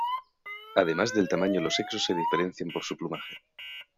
Además del tamaño los sexos se diferencian por su plumaje.